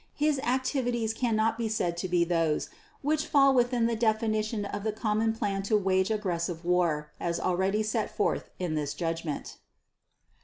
His activities cannot be said to be those which fall within the definition of the common plan to wage aggressive war as already set forth in this Judgment.